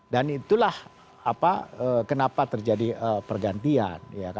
dan itulah kenapa terjadi pergantian